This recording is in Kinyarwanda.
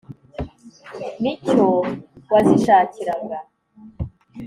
ni cyo wazishakiraga.